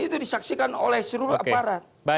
itu disaksikan oleh seluruh aparat